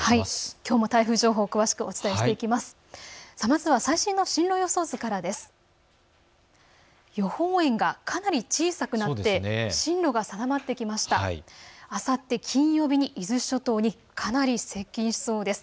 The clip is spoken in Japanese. きょうも台風情報、詳しくお伝えしていきます。